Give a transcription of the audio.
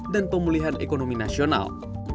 dan pemulihan ekonomi nasional